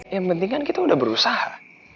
yang penting kan kita udah berusaha